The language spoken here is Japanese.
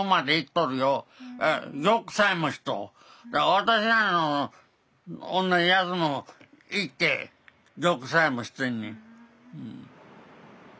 私らの同じやつも行って玉砕もしてんねん。